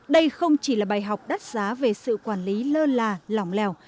đây không chỉ là bài học đắt giá về sự quản lý lơ là lỏng lèo